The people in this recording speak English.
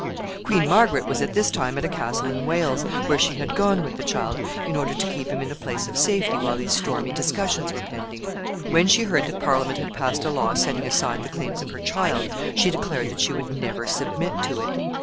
Queen Margaret was at this time at a castle in Wales, where she had gone with the child, in order to keep him in a place of safety while these stormy discussions were pending. When she heard that Parliament had passed a law setting aside the claims of her child, she declared that she would never submit to it.